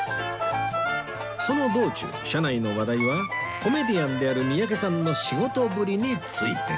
その道中車内の話題はコメディアンである三宅さんの仕事ぶりについて